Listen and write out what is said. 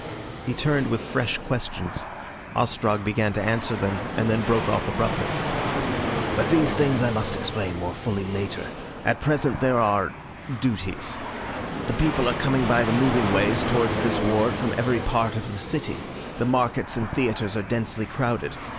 He turned with fresh questions. Ostrog began to answer them, and then broke off abruptly. "But these things I must explain more fully later. At present there are duties. The people are coming by the moving ways towards this ward from every part of the city the markets and theatres are densely crowded.